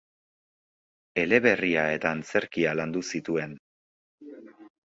Eleberria eta antzerkia landu zituen.